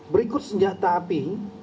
berikut senjata api